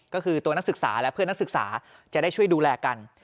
ก็คือตัวนักศึกษาและเพื่อนนักศึกษาจะได้ช่วยดูแลกัน